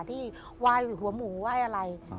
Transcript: ที่ไหว้หัวหมูไหว้อะไร